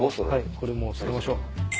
これもう着けましょう。